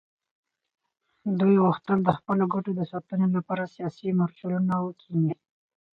دوی غوښتل د خپلو ګټو د ساتنې لپاره سیاسي مورچلونه وکیني.